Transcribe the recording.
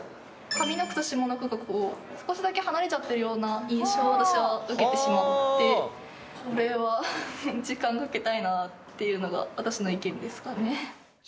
上の句と下の句がこう少しだけ離れちゃってるような印象を私は受けてしまってこれはっていうのが私の意見ですかね。